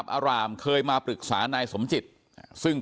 เพราะไม่เคยถามลูกสาวนะว่าไปทำธุรกิจแบบไหนอะไรยังไง